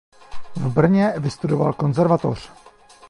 V Brně vystudoval konzervatoř.